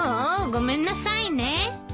ごめんなさいね。